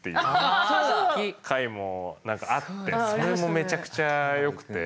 回も何かあってそれもめちゃくちゃ良くて。